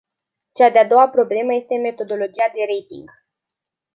Cea de-a doua problemă este metodologia de rating.